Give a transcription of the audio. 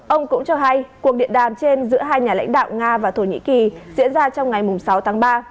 ông cũng cho hay cuộc điện đàm trên giữa hai nhà lãnh đạo nga và thổ nhĩ kỳ diễn ra trong ngày sáu tháng ba